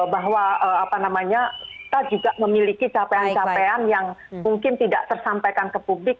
bahwa kita juga memiliki capaian capaian yang mungkin tidak tersampaikan ke publik